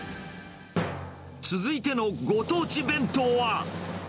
続いてのご当地弁当は。